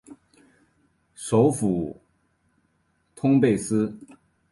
首府通贝斯。